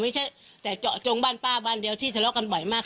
ไม่ใช่แต่เจาะจงบ้านป้าบ้านเดียวที่ทะเลาะกันบ่อยมาก